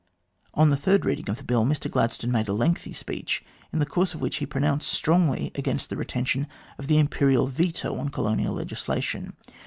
On the third reading of the Bill, Mr Gladstone made a lengthy speech, in the course of which he pronounced strongly against the retention of the Imperial veto on colonial I legislation.